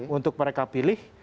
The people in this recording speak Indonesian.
untuk mereka pilih